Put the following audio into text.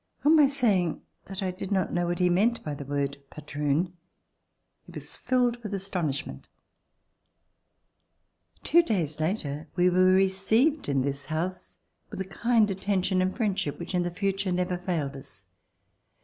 On my saying that I did not know what he meant by the word "patroon," he was filled with astonishment. Two days later we v/ere received in this house with a kind attention and friendship which in the future never failed us.